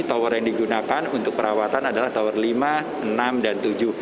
tower yang digunakan untuk perawatan adalah tower lima enam dan tujuh